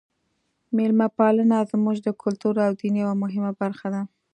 میلمه پالنه زموږ د کلتور او دین یوه مهمه برخه ده.